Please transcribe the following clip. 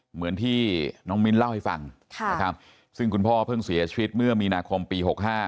เหมือนที่น้องมิ้นเล่าให้ฟังนะครับซึ่งคุณพ่อเพิ่งเสียชีวิตเมื่อมีนาคมปี๖๕